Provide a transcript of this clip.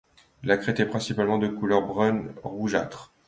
La crête est principalement de couleur brun-rougeâtre.